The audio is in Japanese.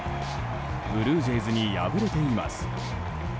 ブルージェイズに敗れています。